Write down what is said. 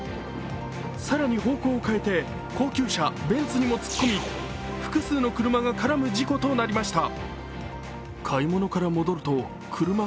更に方向を変えて高級車ベンツにも突っ込み複数の車が絡む事故となりました。